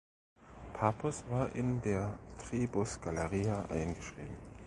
Papus war in der Tribus "Galeria" eingeschrieben.